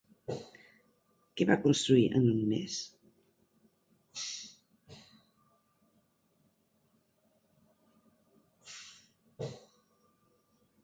Què va construir en un mes?